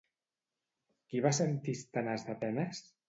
Qui va ser Antístenes d'Atenes?